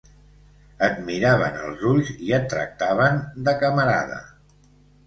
Et miraven als ulls i et tractaven de «camarada»